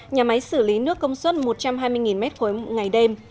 nhà máy xử lý nước công suất một trăm hai mươi m ba ngày đêm